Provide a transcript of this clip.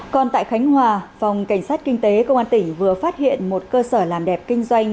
còn tại khánh hòa phòng cảnh sát kinh tế công an tỉnh vừa phát hiện một cơ sở làm đẹp kinh doanh